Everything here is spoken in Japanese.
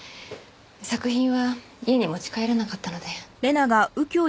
作品は家に持ち帰らなかったので。